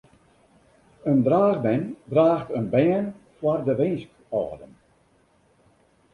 In draachmem draacht in bern foar de winskâlden.